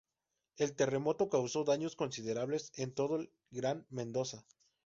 El terremoto causó daños considerables en todo el Gran Mendoza.